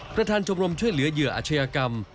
ประธานชมรมช่วยเหลือเหยื่ออาชญากรรม